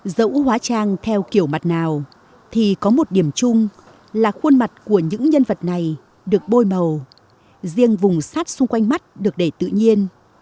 dẫu hóa trang theo kiểu mặt nào thì có một điểm chung là khuôn mặt của những nhân vật này được bôi màu riêng vùng sát xung quanh mắt được để tự nhiên